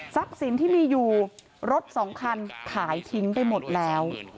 สินที่มีอยู่รถสองคันขายทิ้งไปหมดแล้ว